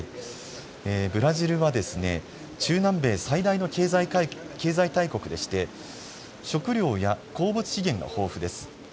ブラジルは中南米最大の経済大国でして食料や鉱物資源が豊富です。